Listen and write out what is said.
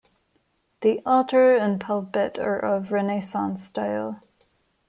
The altar and pulpit are of Renaissance style.